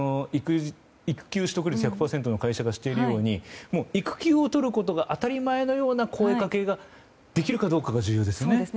育休取得率１００％の会社がしているように育休を取ることが当たり前のような声かけができるかどうかが重要ですね。